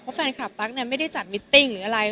เพราะแฟนคลับตั๊กไม่ได้จัดมิตติ้งหรืออะไร